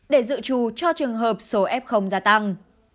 để dự trù cho trường hợp số f gia tăng